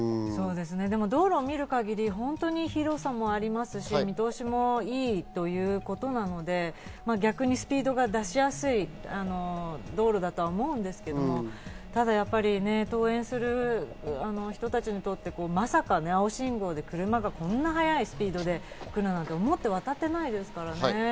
道路を見る限り、本当に広さもありますし、見通しもいいということなので、逆にスピードが出しやすい道路だとは思うんですけど、ただやっぱり登園する人たちにとってまさか青信号で車がこんな速いスピードで来るなんて思って渡ってないですからね。